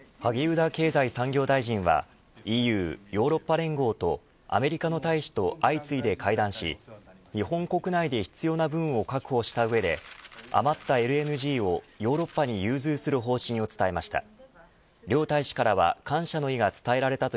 萩生田経済産業大臣はＥＵヨーロッパ連合とアメリカの大使と相次いで会談し日本国内で必要な分を確保した上で余ったＬＮＧをヨーロッパに融通する方針を伝えました。